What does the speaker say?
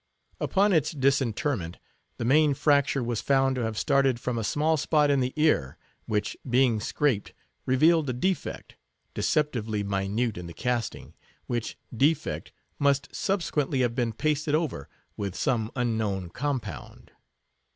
Upon its disinterment, the main fracture was found to have started from a small spot in the ear; which, being scraped, revealed a defect, deceptively minute in the casting; which defect must subsequently have been pasted over with some unknown compound.